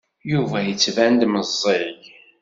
Yuba yettban-d meẓẓiy.